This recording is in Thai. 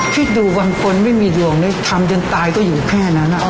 คิดดูบางคนไม่มีดวงเลยทำจนตายก็อยู่แค่นั้น